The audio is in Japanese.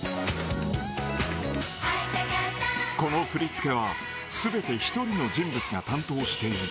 この振り付けは、すべて一人の人物が担当している。